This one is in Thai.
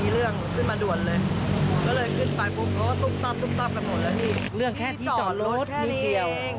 เรื่องแค่ที่จอดรถนี่เดียว